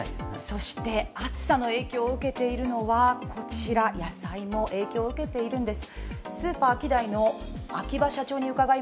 そして暑さの影響を受けているのはこちら、野菜も影響を受けているんです。